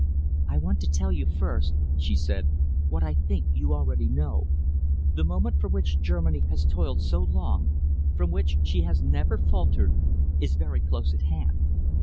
"I want to tell you first," she said, "what I think you already know. The moment for which Germany has toiled so long, from which she has never faltered, is very close at hand.